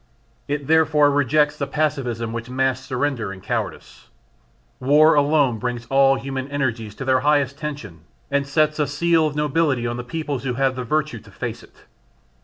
It therefore rejects the pacifism which masks surrender and cowardice. War alone brings all human energies to their highest tension and sets a seal of nobility on the peoples who have the virtue to face it.